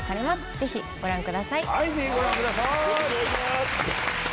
ぜひご覧ください。